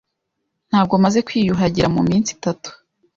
Ntabwo maze kwiyuhagira mu minsi itatu.